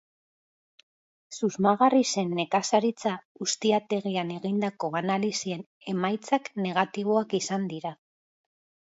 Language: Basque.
Susmagarri zen nekazaritza-ustiategian egindako analisien emaitzak negatiboak izan dira.